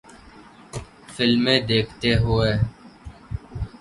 فلمیں دیکھتے ہوئے